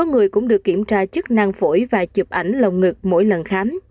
một số người cũng được kiểm tra chức năng phổi và chụp ảnh lòng ngực mỗi lần khám